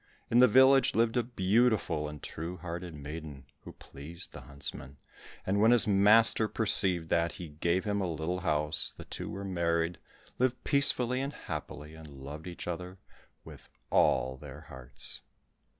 In the village lived a beautiful and true hearted maiden, who pleased the huntsman, and when his master perceived that, he gave him a little house, the two were married, lived peacefully and happily, and loved each other with all their hearts.